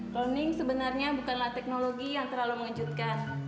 cloning sebenarnya bukanlah teknologi yang terlalu mengejutkan